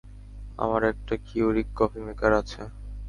আমার একটা Keurig coffee maker আছে।